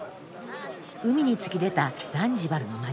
海に突き出たザンジバルの街。